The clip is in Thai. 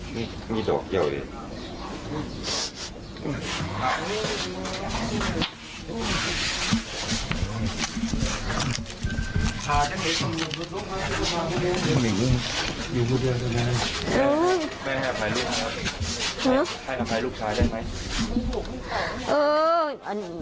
ไม่ดอกเกี่ยวเลย